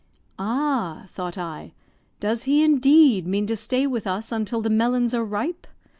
"Ah," thought I; "does he, indeed, mean to stay with us until the melons are ripe?"